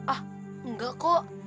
ah enggak kok